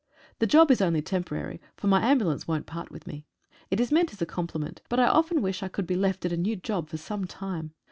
The job is only temporary, for my ambulance won't part with me. It is meant as a com pliment, but I often wish I could be left at a new job for some time.